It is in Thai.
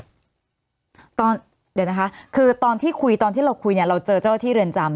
เดี๋ยวนะคะคือตอนที่คุยตอนที่เราคุยเนี่ยเราเจอเจ้าที่เรือนจำ